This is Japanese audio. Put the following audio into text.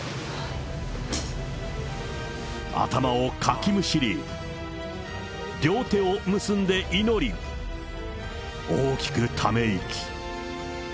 頭をかきむしり、両手を結んで祈り、大きくため息。